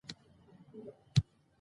ماشینونه په فابریکو کې کار کوي.